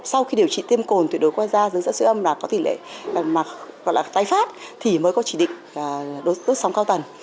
sau khi điều trị tiêm cồn tuyệt đối qua da dưới dẫn siêu âm và có tài phát thì mới có chỉ định đốt sóng cao tần